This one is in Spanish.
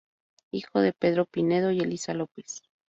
Hijo de Pedro Pinedo y Elisa López.